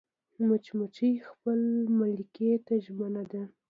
مچمچۍ خپل ملکې ته ژمنه ده